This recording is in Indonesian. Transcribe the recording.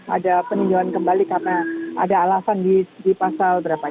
ada peninjauan kembali karena ada alasan di pasal berapa dua ratus enam puluh tiga